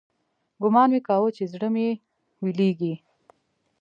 ګومان مې كاوه چې زړه مې ويلېږي.